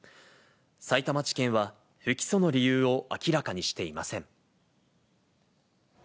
さいたま地検は不起訴の理由を明らかにしていません。